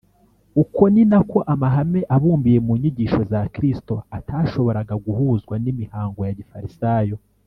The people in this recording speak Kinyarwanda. uko ni nako amahame abumbiye mu nyigisho za kristo atashoboraga guhuzwa n’imihango ya gifarisayo